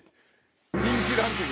人気ランキング」。